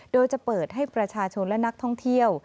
โดยจะเปิดให้ประชาชนและนักท่องเที่ยว